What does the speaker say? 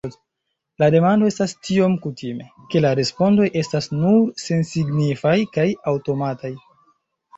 La demando estas tiom kutime, ke la respondoj estas nur sensignifaj kaj aŭtomataj.